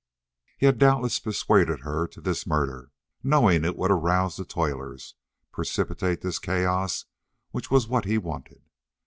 He had doubtless persuaded her to this murder, knowing it would arouse the toilers, precipitate this chaos which was what he wanted.